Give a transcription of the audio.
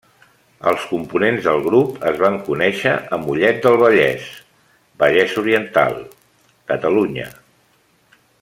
Els components del grup es van conèixer a Mollet del Vallès, Vallès Oriental, Catalunya.